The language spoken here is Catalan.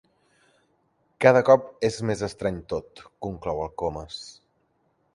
Cada cop és més estrany tot —conclou el Comas—.